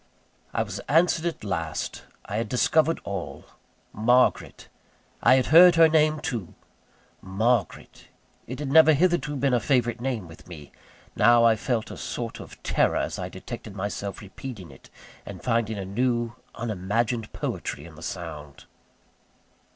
I was answered at last: I had discovered all. Margaret! I had heard her name, too. Margaret! it had never hitherto been a favourite name with me. Now I felt a sort of terror as I detected myself repeating it, and finding a new, unimagined poetry in the sound.